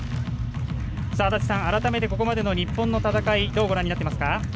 改めて、ここまでの日本の戦いどうご覧になっていますか。